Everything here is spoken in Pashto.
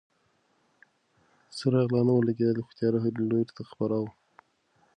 څراغ لا نه و لګېدلی خو تیاره هر لوري ته خپره وه.